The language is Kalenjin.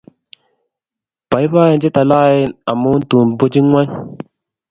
Boiboen che taloen, amun tun bunchin ng'wony.